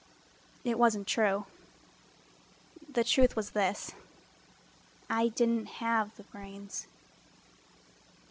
It wasn't true. The truth was this: I did not have the brains.